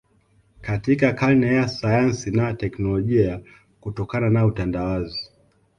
Katika karne ya sayansi na teknolojia kutokana na utandawazi